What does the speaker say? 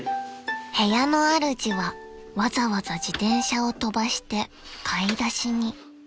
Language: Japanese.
［部屋のあるじはわざわざ自転車を飛ばして買い出しに］